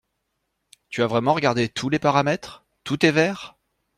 Tu as vraiment regardé tous les paramètres? Tout est vert ?